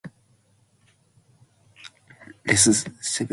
Other nearby counties also reported flood damage, albeit less severe.